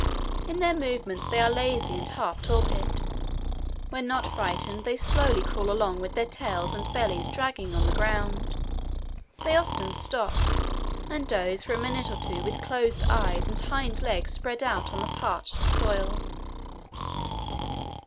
In their movements they are lazy and half torpid. When not frightened, they slowly crawl along with their tails and bellies dragging on the ground. They often stop, and doze for a minute or two, with closed eyes and hind legs spread out on the parched soil.